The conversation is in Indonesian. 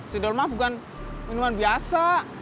cendol mah bukan minuman biasa